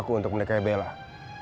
buat apa yang jadi padaku